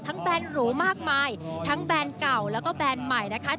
แบรนด์หรูมากมายทั้งแบรนด์เก่าแล้วก็แบรนด์ใหม่นะคะ